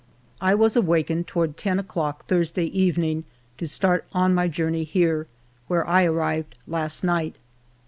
I was awakened toward ten o'clock Thurs day evening to start on my journey here, where I arrived last night.